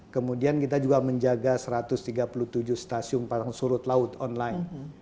kemudian kita juga menjaga satu ratus tiga puluh tujuh stasiun paling surut laut online